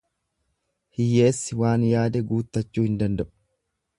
Hiyyeessi waan yaade guuttachuu hin danda'u.